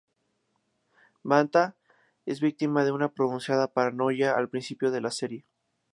Manta es víctima de una pronunciada paranoia al principio de la serie.